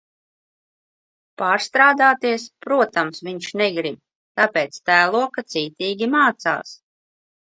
Pārstrādāties, protams, viņš negrib, tāpēc tēlo, ka cītīgi mācās.